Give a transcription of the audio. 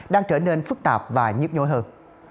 đang trở nên phức tạp và nhức nhối hơn